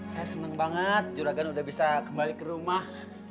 saya senang banget juragan udah bisa kembali ke rumah